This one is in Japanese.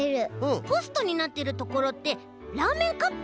ポストになってるところってラーメンカップ？